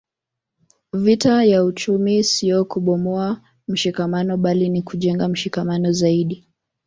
Vita ya uchumi sio kubomoa mshikamano bali ni kujenga mshikamano zaidi